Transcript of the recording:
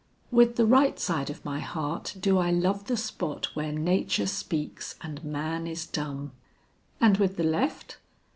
"With the right side of my heart do I love the spot where nature speaks and man is dumb." "And with the left?"